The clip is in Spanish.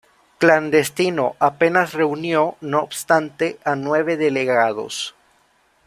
Clandestino, apenas reunió, no obstante, a nueve delegados.